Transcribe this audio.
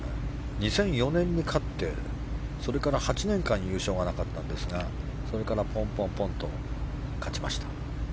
２００４年に勝ってそれから８年間優勝がなかったんですがそれからポンポンと勝ちました。